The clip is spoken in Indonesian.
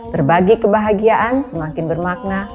terbagi kebahagiaan semakin bermakna